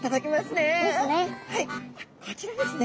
あっこちらですね。